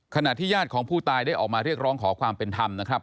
ขณะที่ญาติของผู้ตายได้ออกมาเรียกร้องขอความเป็นธรรมนะครับ